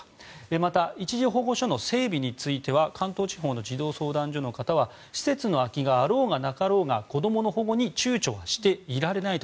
また一時保護所の整備については関東地方の児童相談所の方は施設の空きがあろうがなかろうが子供の保護に躊躇はしていられないと。